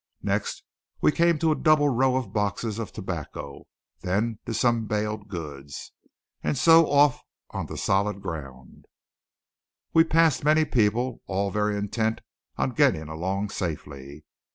Next we came to a double row of boxes of tobacco; then to some baled goods, and so off onto solid ground. We passed many people, all very intent on getting along safely.